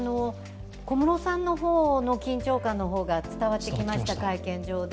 小室さんの方の緊張感の方が伝わってきました、会見場で。